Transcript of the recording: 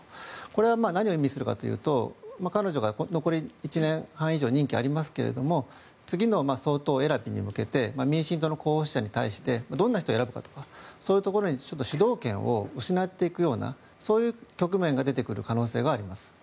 これは何を意味するかというと彼女が、残り１年半以上任期がありますが次の総統選びに向けて民進党の候補者に対してどんな人を選ぶとかそういうところに主導権を失っていくようなそういう局面が出てくる可能性があります。